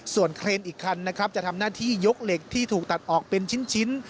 ส่วนเครนอีกคันนะครับจะทำหน้าที่ยกเหล็กที่ถูกตัดออกเป็นชิ้น